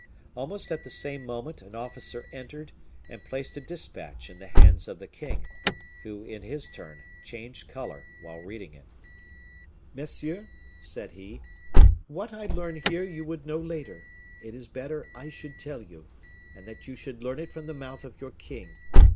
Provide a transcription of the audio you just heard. Almost at the same moment an officer entered and placed a dispatch in the hands of the king, who, in his turn, changed color, while reading it. "Monsieur," said he, "what I learn here you would know later; it is better I should tell you, and that you should learn it from the mouth of your king.